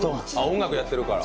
音楽やってるから。